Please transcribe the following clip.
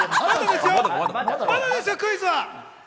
まだですよクイズは！